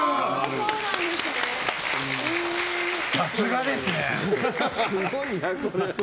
さすがですね！